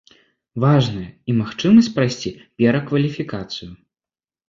Важная і магчымасць прайсці перакваліфікацыю.